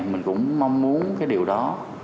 mình cũng mong muốn cái điều đó